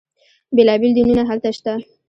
بیلا بیل دینونه هلته شته.